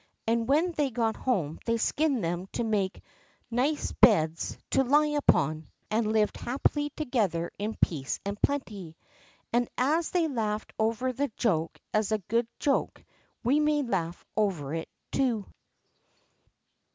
And when they got home they skinned them to make nice beds to lie upon, and lived happily together in peace and plenty. And as they laughed over the joke as a good joke, we may laugh over it too.